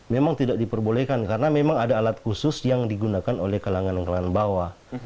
memang tidak diperbolehkan karena memang ada alat khusus yang digunakan oleh kalangan kalangan bawah